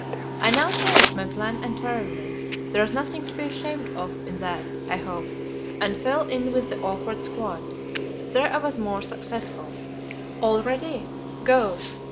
I now changed my plan entirely there is nothing to be ashamed of in that, I hope and fell in with the awkward squad; there I was more successful. "All ready? Go!"